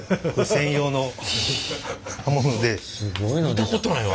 見たことないわ。